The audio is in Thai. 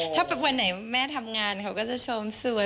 ถ้าวันไหนแม่ทำงานเขาก็จะชมสวย